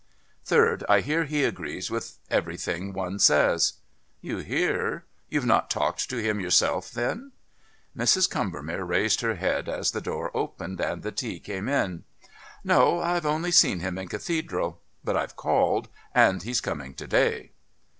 "Third, I hear he agrees with everything one says." "You hear? You've not talked to him yourself, then?" Mrs. Combermere raised her head as the door opened and the tea came in. "No. I've only seen him in Cathedral. But I've called, and he's coming to day."